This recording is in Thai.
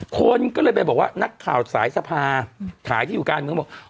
คนก็เลยไปบอกว่านักข่าวสายสภาถ่ายที่อยู่กัน